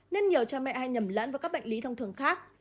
nên nhiều cha mẹ hay nhầm lẫn với các bệnh lý thông thường khác